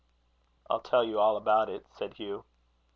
"I'll tell you all about it," said Hugh.